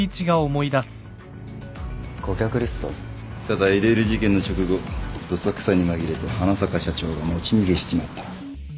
ただ ＬＬ 事件の直後どさくさに紛れて花坂社長が持ち逃げしちまった